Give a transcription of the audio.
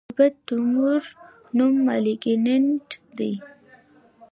د بد تومور نوم مالېګننټ دی.